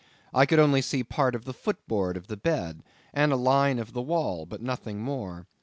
I could only see part of the foot board of the bed and a line of the wall, but nothing more.